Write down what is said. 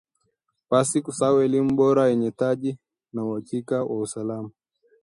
pasi kusahau elimu bora yenye tija na uhakika wa usalama